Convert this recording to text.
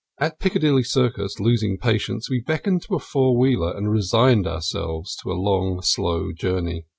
At Piccadilly Circus, losing patience, we beckoned to a four wheeler and resigned ourselves to a long, slow journey.